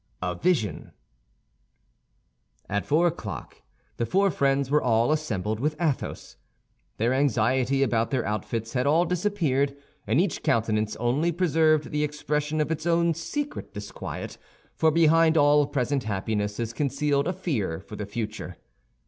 A VISION At four o'clock the four friends were all assembled with Athos. Their anxiety about their outfits had all disappeared, and each countenance only preserved the expression of its own secret disquiet—for behind all present happiness is concealed a fear for the future.